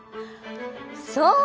そう！